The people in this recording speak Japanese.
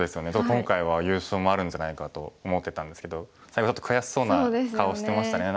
今回は優勝もあるんじゃないかと思ってたんですけど最後悔しそうな顔してましたね。